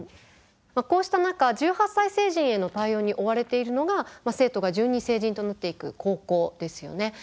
こうした中１８歳成人への対応に追われているのが生徒が順に成人となっていく高校ですよね。